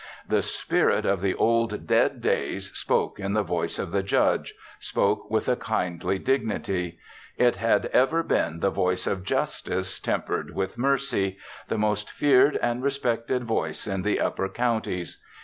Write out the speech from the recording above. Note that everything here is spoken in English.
The spirit of the old, dead days spoke in the voice of the Judge spoke with a kindly dignity. It had ever been the voice of Justice, tempered with Mercy the most feared and respected voice in the upper counties.